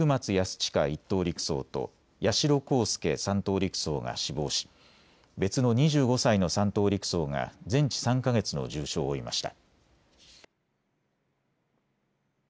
親１等陸曹と八代航佑３等陸曹が死亡し別の２５歳の３等陸曹が全治３か月の重傷を負いました。